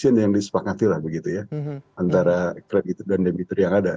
jadi itu adalah bisnis yang disepakati lah begitu ya antara kreditur dan debitur yang ada